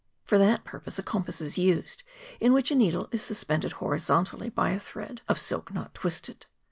For that purpose a compass is used, in which a needle is suspended horizontally by a thread of silk not twisted.